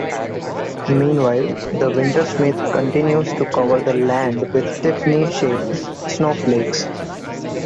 Meanwhile, the Wintersmith continues to cover the land with Tiffany-shaped snowflakes.